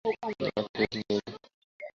না, ঠিক নেই আমি।